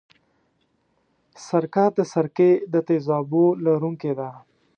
سرکه د سرکې د تیزابو لرونکې ده.